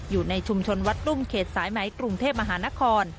อยู่ในชุมชนวัดรุ่งเขตสายไหมกรุงเทพมหานคร